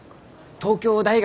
東京大学！？